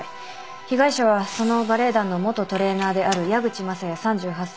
被害者はそのバレエ団の元トレーナーである矢口雅也３８歳。